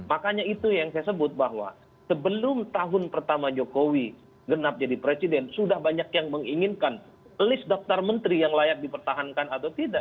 makanya itu yang saya sebut bahwa sebelum tahun pertama jokowi genap jadi presiden sudah banyak yang menginginkan list daftar menteri yang layak dipertahankan atau tidak